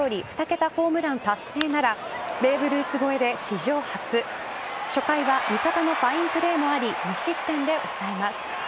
ホームラン達成ならベーブ・ルース超えで史上初初回は味方のファインプレーもあり無失点で抑えます。